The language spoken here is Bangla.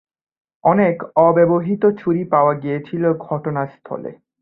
অনেক অব্যবহৃত ছুরি পাওয়া গিয়েছিল ঘটনাস্থলে।